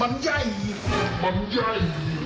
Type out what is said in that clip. เปิดไฟ